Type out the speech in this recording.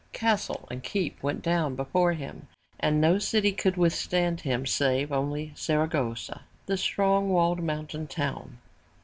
Castle and keep went down before him and no city could withstand him save only Sar a gos'sa, the strong walled mountain town.